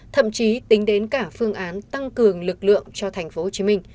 thậm chí tính đến cả phương án tăng cường lực lượng cho tp hcm